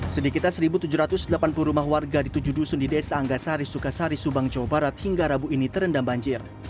sedikitnya satu tujuh ratus delapan puluh rumah warga di tujuh dusun di desa anggasari sukasari subang jawa barat hingga rabu ini terendam banjir